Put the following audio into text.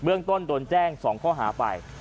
เรื่องต้นโดนแจ้ง๒ข้อหาไป